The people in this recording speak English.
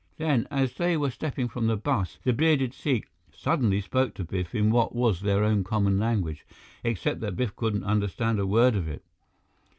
Then, as they were stepping from the bus, the bearded Sikh suddenly spoke to Biff in what was their own common language, except that Biff couldn't understand a word of it.